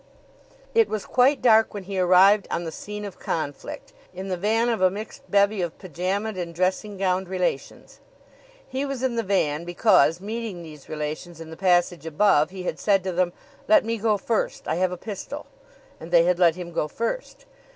It was quite dark when he arrived on the scene of conflict, in the van of a mixed bevy of pyjamaed and dressing gowned relations. He was in the van because, meeting these relations in the passage above, he had said to them: "Let me go first. I have a pistol." And they had let him go first.